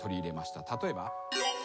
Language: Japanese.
例えば。